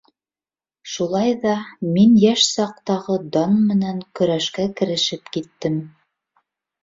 Шулай ҙа мин йәш саҡтағы дан менән көрәшкә керешеп киттем.